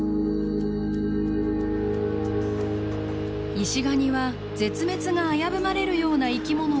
イシガニは絶滅が危ぶまれるような生きものではありません。